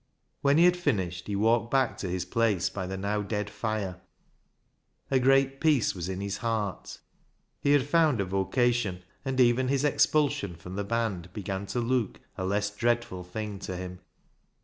When he had finished he walked back to his place by the now dead fire. A great peace was in his heart. He had found a vocation, and even his expulsion from the band began to look a less dreadful thing to him.